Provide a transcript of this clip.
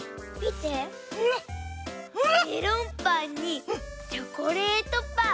メロンパンにチョコレートパン。